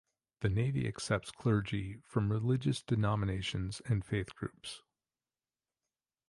The Navy accepts clergy from religious denominations and faith groups.